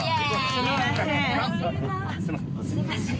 すいません。